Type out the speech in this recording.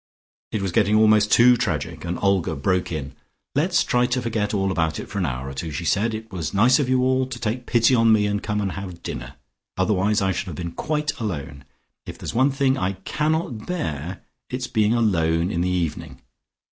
'" It was getting almost too tragic and Olga broke in. "Let's try to forget all about it, for an hour or two," she said. "It was nice of you all to take pity on me and come and have dinner, otherwise I should have been quite alone. If there's one thing I cannot bear it's being alone in the evening.